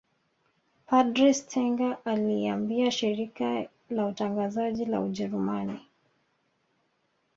Padre Stenger aliiambia shirika ia utangazaji la Ujerumani